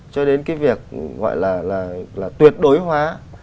cho đến cái việc gọi là tuyệt đối hóa